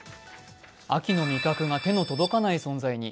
秋の味覚が手の届かない存在に。